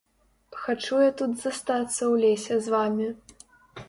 Хачу я тут застацца ў лесе з вамі.